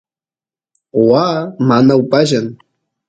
waa mana upallan